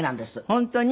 本当に？